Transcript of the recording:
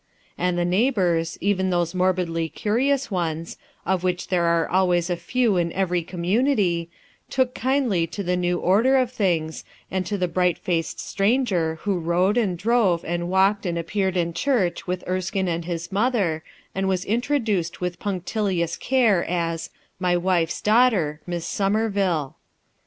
And Iho neighbors, even those morbidly curious ones, of which there are always a few in every com munity, took kindly to the new order of things and to the bright faced stranger who rode and drove and walked and appeared in church villi Erskine and his mother, and was introduced villi punctilious care as "My wife's daughter, Miss Somervillc."